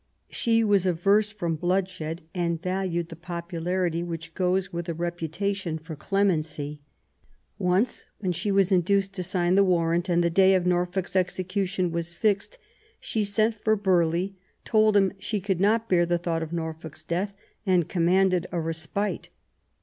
She was averse from bloodshed, and valued the popularity which goes with a reputation for clemency. Once, when she was induced to sign the warrant, and the day of Norfolk's execution was fixed, she sent for THE EXCOMMUNICATION OF ELIZABETH. 145 Burghley, told him she could not bear the thought of Norfolk's death, and commanded a respite.